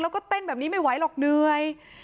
แล้วก็เต้นแบบนี้ไม่ไหวหรอกเหนื่อย